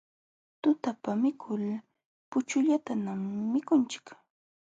Tutapa mikul puchullatañam mikunchik.